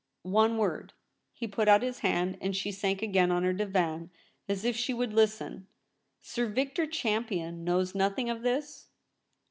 * One word.' He put out his hand, and she sank again on her divan as if she would listen. * Sir Victor Champion knows nothing of this